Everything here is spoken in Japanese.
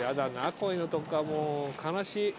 こういうのとかもう悲しい。